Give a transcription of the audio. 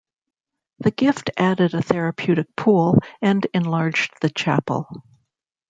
The gift added a therapeutic pool and enlarged the chapel.